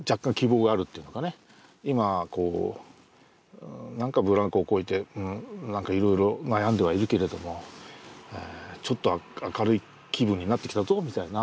今何かブランコをこいでいろいろ悩んではいるけれどもちょっと明るい気分になってきたぞみたいな